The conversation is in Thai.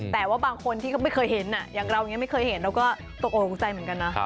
แต่ว่าบางคนที่เขาไม่เคยเห็นอ่ะอย่างเรานี้ไม่เคยเห็นแล้วก็ตกโอกงใจเหมือนกันนะ